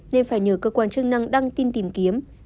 nên phải nhờ cơ quan chức năng đăng tin tìm kiếm